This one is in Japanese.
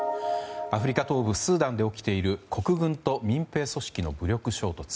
アフリカ東部スーダンで起きている国軍と民兵組織の武力衝突。